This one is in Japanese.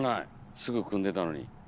すぐ組んでたのに。